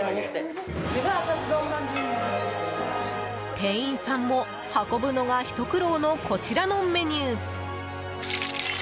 店員さんも運ぶのがひと苦労のこちらのメニュー。